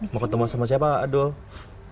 mau ketemu sama siapa aduh